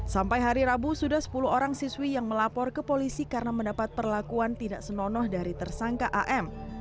sampai hari rabu sudah sepuluh orang siswi yang melapor ke polisi karena mendapat perlakuan tidak senonoh dari tersangka am